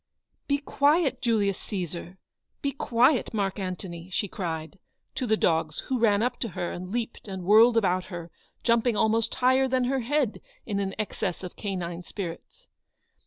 "Be quiet, Julius Caesar; be quiet, Mark Antony," she cried, to the dogs, who ran up to her and leaped and whirled about her, jumping almost higher than her head in an excess of canine spirits.